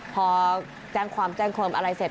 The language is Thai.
พอแจ้งความแจ้งความอะไรเสร็จ